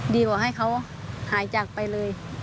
ดีกว่าให้เขาหายจากไปเลย